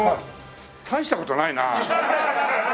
大した事ないな。